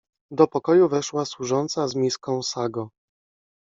Do pokoju weszła służąca z miską sago.